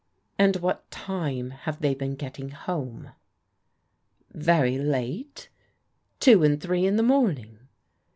And what time have they been getting home? " "Very late. Two and three in the morning.